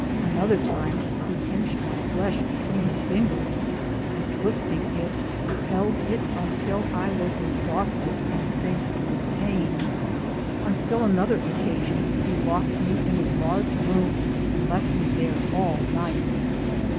Another time he pinched my flesh be tween his fingers and twisting it, held it until I was exhausted and faint with pain. On still another oc casion he locked me in a large room and left me there all night.